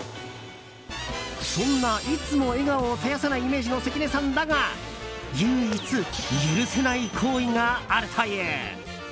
そんな、いつも笑顔を絶やさないイメージの関根さんだが唯一、許せない行為があるという。